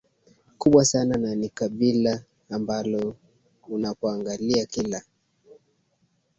kubwa sana na ni kabila ambalo unapoangalia kila